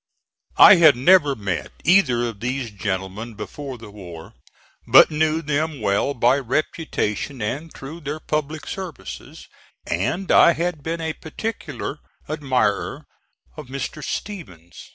I had never met either of these gentlemen before the war, but knew them well by reputation and through their public services, and I had been a particular admirer of Mr. Stephens.